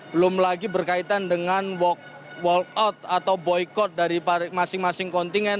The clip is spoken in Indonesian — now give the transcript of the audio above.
belum lagi berkaitan dengan walkout atau boykot dari masing masing kontingen